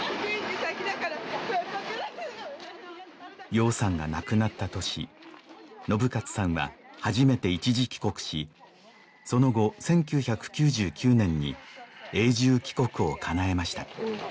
ようさんが亡くなった年信捷さんは初めて一時帰国しその後１９９９年に永住帰国をかなえました